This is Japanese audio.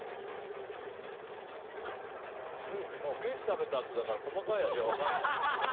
うん、ケーキ食べたあとだから細かい味は分からない。